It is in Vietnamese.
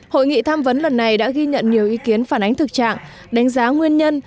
hội nghị tham vấn lần này đã ghi nhận nhiều ý kiến phản ánh thực trạng đánh giá nguyên nhân